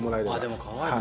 でもかわいい。